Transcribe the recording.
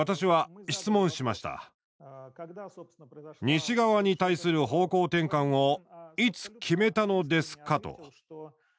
「西側に対する方向転換をいつ決めたのですか？」と。